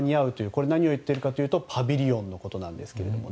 これは何を言っているかというとパビリオンのことなんですね。